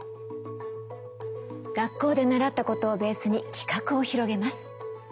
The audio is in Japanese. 学校で習ったことをベースに企画を広げます。